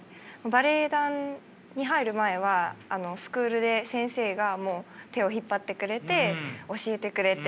バレエ団に入る前はスクールで先生が手を引っ張ってくれて教えてくれて。